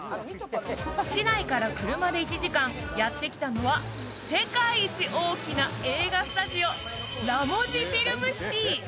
市内から車で１時間、やってきたのは、世界一大きな映画スタジオ、ラモジ・フィルムシティ。